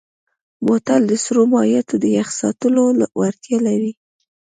بوتل د سړو مایعاتو د یخ ساتلو وړتیا لري.